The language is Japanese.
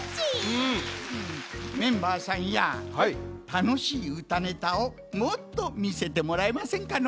たのしいうたネタをもっとみせてもらえませんかの。